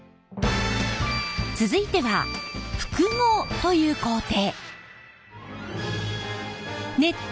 続いては複合という工程。